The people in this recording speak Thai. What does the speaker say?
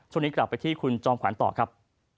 ช่วงนี้กลับไปที่คุณจอมขวัญต่อครับ